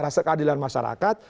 rasa keadilan masyarakat